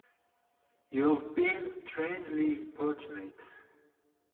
You have been strangely importunate.